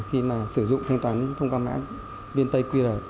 khi sử dụng thanh toán thông qua mã vnpay